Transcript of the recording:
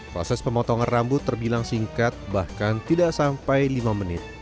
proses pemotongan rambut terbilang singkat bahkan tidak sampai lima menit